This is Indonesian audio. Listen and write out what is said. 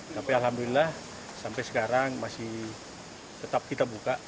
tapi alhamdulillah sampai sekarang masih tetap kita buka